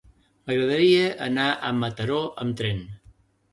M'agradaria anar a Mataró amb tren.